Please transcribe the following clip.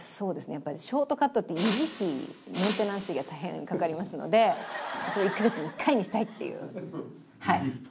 やっぱりショートカットって維持費メンテナンス費が大変かかりますので１カ月に１回にしたいっていう。